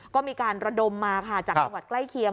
ก็มีการระดมมาค่ะจากจังหวัดใกล้เคียง